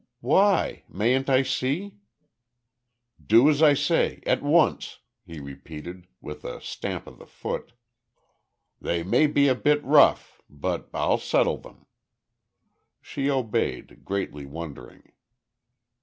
"Why? Mayn't I see?" "Do as I say at once," he repeated, with a stamp of the foot. "They may be a bit rough, but I'll settle them." She obeyed, greatly wondering.